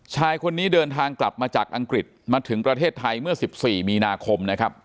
ชายคนนี้เดินทางกลับมาจากอังกฤษมาถึงประเทศไทยเมื่อ๑๔มีนาคมนะครับ